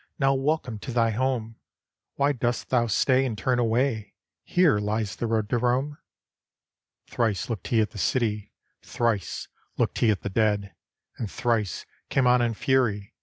Now welcome to thy home ! Why dost thou stay, and turn away? Here lies the road to Rome." Thrice looked he at the city; Thrice looked he at the dead; And thrice came on in fury.